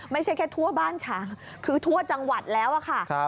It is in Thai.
ไม่ใช่แค่ทั่วบ้านฉางคือทั่วจังหวัดแล้วค่ะ